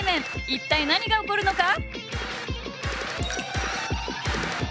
一体何が起こるのか？